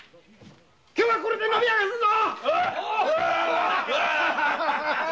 今日はこれで飲み明かすぞ！